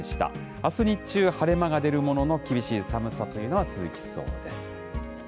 あす日中、晴れ間が出るものの、厳しい寒さというのは続きそうです。